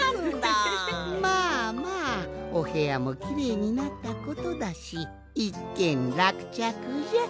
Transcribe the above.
まあまあおへやもきれいになったことだしいっけんらくちゃくじゃ。